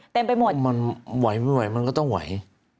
เต็มไปหมดมันไหวไม่ไหวมันก็ต้องไหว